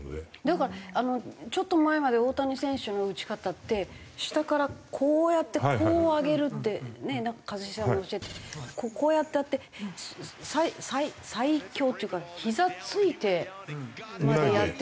だからちょっと前まで大谷選手の打ち方って下からこうやってこう上げるってねっ一茂さんがこうやってやって最強っていうかひざついてまでやっててホームラン出してたり。